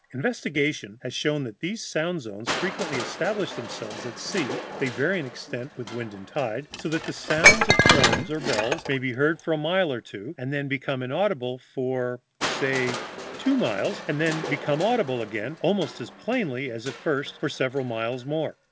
Investigation has shown that these sound zones frequently establish themselves at sea (they vary in extent with wind and tide), so that the sound of horn or bell may be heard for a mile or two, and then become inaudible for, say, two miles, and then become audible again, almost as plainly as at first, for several miles more.